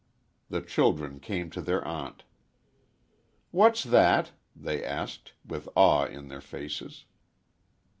The children came to their aunt. "What's that?" they asked, with awe in their faces.